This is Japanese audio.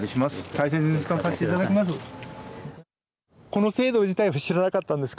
大切に使わさせていただきます。